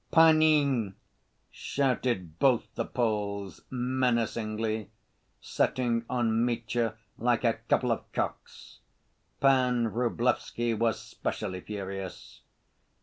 "Panie!" shouted both the Poles, menacingly, setting on Mitya like a couple of cocks. Pan Vrublevsky was specially furious.